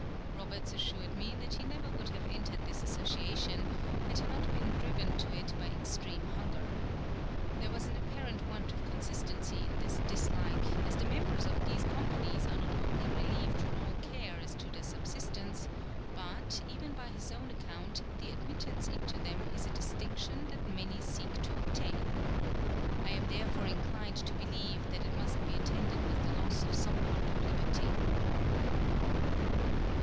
Roberts assured me that he never would have entered this association, had he not been driven to it by extreme hunger. There was an apparent want of consistency in this dislike, as the members of these companies are not only relieved from all care as to their subsistence, but, even by his own account, the admittance into them is a distinction that many seek to obtain. I am therefore inclined to believe that it must be attended with the loss of some part of liberty."